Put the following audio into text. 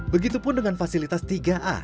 begitupun dengan fasilitas tiga a